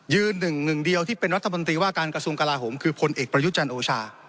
หนึ่งหนึ่งเดียวที่เป็นรัฐมนตรีว่าการกระทรวงกลาโหมคือพลเอกประยุจันทร์โอชา